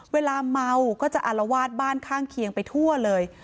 เวลาเมาก็จะอารวาสบ้านข้างเคียงไปทั่วเลย